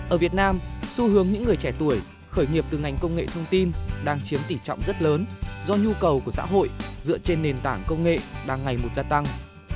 ở việt nam xu hướng những người trẻ tuổi khởi nghiệp từ ngành công nghệ thông tin đang chiếm tỷ trọng rất lớn do nhu cầu của xã hội dựa trên nền tảng công nghệ đang ngày một gia tăng